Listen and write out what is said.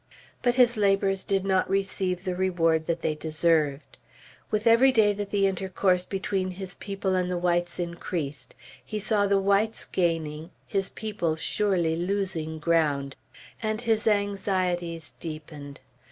But his labors did not receive the reward that they deserved. With every day that the intercourse between his people and the whites increased, he saw the whites gaining, his people surely losing ground, and his anxieties deepened.